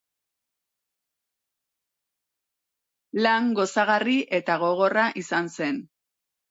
Lan gozagarri eta gogorra izan zen.